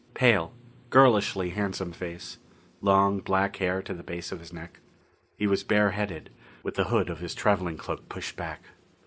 Pale, girlishly handsome face; long, black hair to the base of his neck. He was bare headed, with the hood of his traveling cloak pushed back.